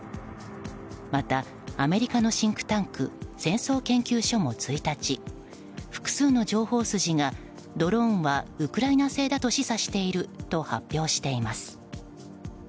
また、アメリカのシンクタンク戦争研究所も１日複数の情報筋がドローンはウクライナ製だと示唆していると発表しています。